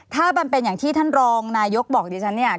ถ้ามันเป็นอย่างที่ท่านรองนายกบอกดิฉันเนี่ย